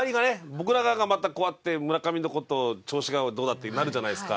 僕ら側がまたこうやって村上の事を調子がどうだってなるじゃないですか。